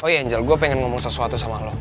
oh iya angel gue pengen ngomong sesuatu sama lo